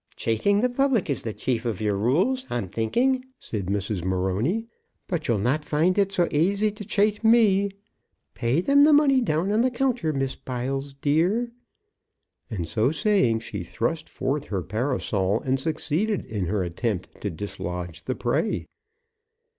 "Chaiting the public is the chief of your rules, I'm thinking," said Mrs. Morony; "but you'll not find it so aisy to chait me. Pay them the money down on the counter, Miss Biles, dear." And so saying she thrust forth her parasol, and succeeded in her attempt to dislodge the prey.